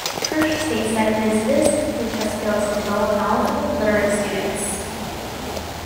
Hirsch states that it is this which has failed to develop knowledgeable, literate students.